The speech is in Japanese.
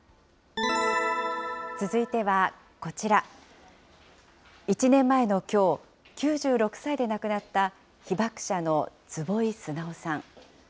続いてはこちら、１年前のきょう、９６歳で亡くなった被爆者の坪井直さん。